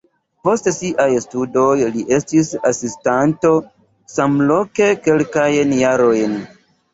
Post siaj studoj li estis asistanto samloke kelkajn jarojn.